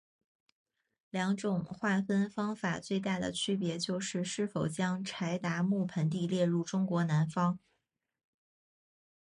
两种划分方法最大的区别就是是否将柴达木盆地列入中国南方。